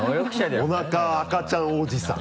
おなか赤ちゃんおじさん。